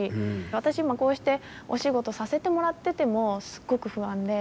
私、今、こうしてお仕事させてもらっててもすっごく不安で。